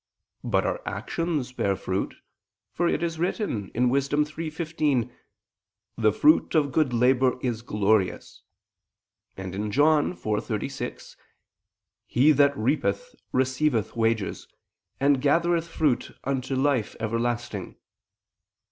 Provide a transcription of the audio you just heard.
But our actions bear fruit: for it is written (Wis. 3:15): "The fruit of good labor is glorious," and (John 4:36): "He that reapeth receiveth wages, and gathereth fruit unto life everlasting."